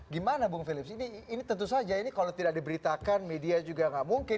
gimana bung philips ini tentu saja ini kalau tidak diberitakan media juga nggak mungkin